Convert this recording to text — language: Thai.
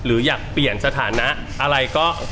อยากเปลี่ยนสถานะอะไรก็